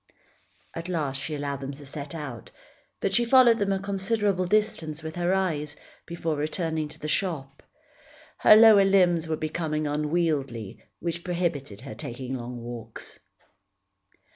At last she allowed them to set out, but she followed them a considerable distance with her eyes, before returning to the shop. Her lower limbs were becoming unwieldy which prohibited her taking long walks.